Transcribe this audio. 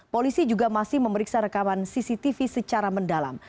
polisi juga masih memeriksa rekaman cctv secara mendalam